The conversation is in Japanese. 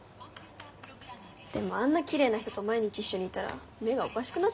でもあんなきれいな人と毎日一緒にいたら目がおかしくなっちゃうんじゃないの？